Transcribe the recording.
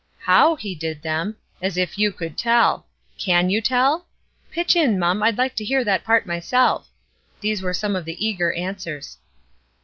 "How he did them!" "As if you could tell!" "Can you tell?" "Pitch in, mum; I'd like to hear that part myself!" These were some of the eager answers.